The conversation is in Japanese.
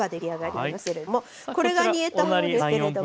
これが煮えたものですけれども。